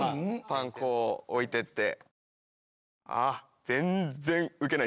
パンこう置いてって。